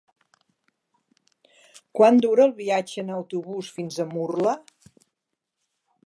Quant dura el viatge en autobús fins a Murla?